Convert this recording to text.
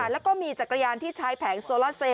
แล้วก็มีจักรยานที่ใช้แผงโซล่าเซ